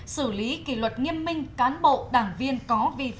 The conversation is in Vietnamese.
xử lý kỷ luật nghiêm minh cán bộ đảng viên có